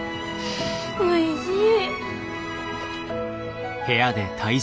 おいしい。